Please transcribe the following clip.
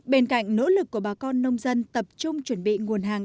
bên cạnh nỗ lực của bà con nông dân tập trung chuẩn bị nguồn hàng